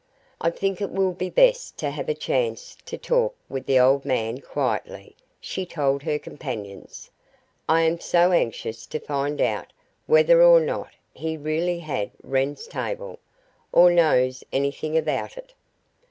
"I think it will be best to have a chance to talk with the old man quietly," she told her companions. "I am so anxious to find out whether or not he really had Wren's table, or knows anything about it."